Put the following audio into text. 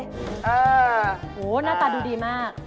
โอ้โหหน้าตาดูดีมาก